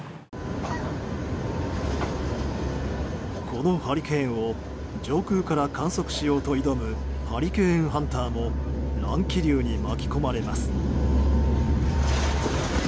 このハリケーンを上空から観測しようと挑むハリケーン・ハンターも乱気流に巻き込まれます。